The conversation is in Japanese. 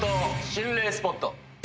心霊スポット。